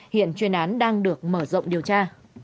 hiện chuyên án đang được mở rộng điều tra